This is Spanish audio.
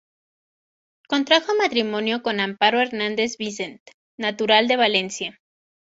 Contrajo matrimonio con Amparo Hernández Vicent, natural de Valencia.